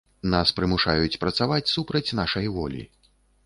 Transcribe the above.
Нас прымушаюць працаваць супраць нашай волі.